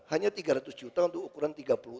hanya tiga ratus juta untuk ukuran tiga puluh